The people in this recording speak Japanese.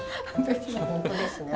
本当ですね。